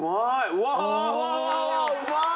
うわわわうまい！